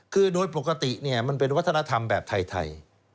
คือโดยปกติมันเป็นวัฒนธรรมแบบไทย